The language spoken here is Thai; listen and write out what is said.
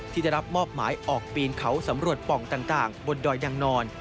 ที่ได้รับมอบหมายออกปีนเขาสำรวจป่องต่างบนดอยนางนอน